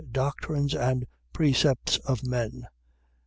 Doctrines and precepts of men.